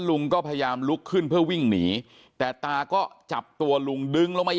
ลุงก็พยายามลุกขึ้นเพื่อวิ่งหนีแต่ตาก็จับตัวลุงดึงลงมา